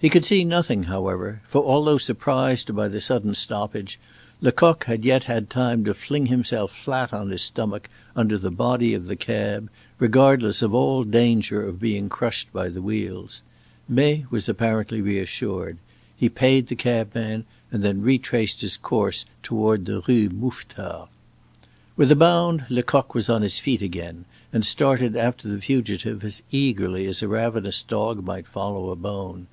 He could see nothing, however, for although surprised by the sudden stoppage, Lecoq had yet had time to fling himself flat on his stomach under the body of the cab, regardless of all danger of being crushed by the wheels. May was apparently reassured. He paid the cabman and then retraced his course toward the Rue Mouffetard. With a bound, Lecoq was on his feet again, and started after the fugitive as eagerly as a ravenous dog might follow a bone.